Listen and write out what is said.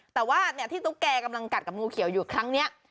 แต่ว่าที่ตุ๊กแกกำลังกัดกับงูเขียวอยู่ครั้งนี้